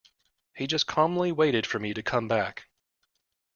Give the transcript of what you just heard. He just calmly waited for me to come back.